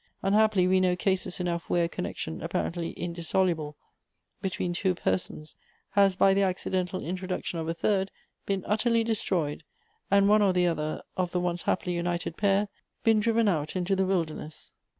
Unhappily, we know cases enough where a connection apparently indissoluble between two persons, has, by the accidental introduction of a third, been utterly destroyed, and one or the other of the once happily united pair been driven out into the wilderness."